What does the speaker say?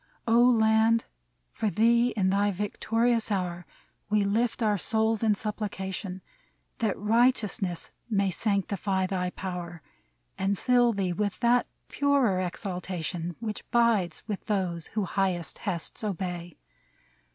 O Land ! for thee in thy victorious hour We lift our souls in supplication, That righteousness may sanctify thy power And fill thee with that purer exaltation Which bides with those who highest bests obey.